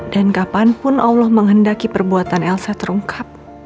dan kapanpun allah menghendaki perbuatan elsa terungkap